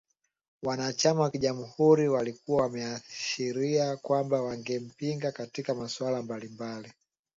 Wanachama wa Kijamhuri walikuwa wameashiria kwamba wangempinga katika masuala mbalimbali